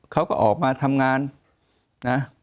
เขาก็ออกมาทำงานนะ